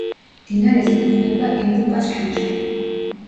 მდინარეზე გვხვდება ეპუპას ჩანჩქერი.